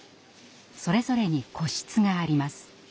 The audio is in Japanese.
それぞれに個室があります。